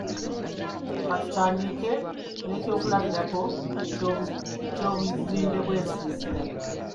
Ka tutandike n'ekyokulabirako eky'obuzimbe bw'ensiisira